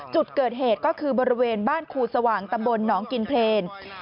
จุดเกิดเหตุก็คือบริเวณบ้านครูสว่างตำบลหนองกินเพลน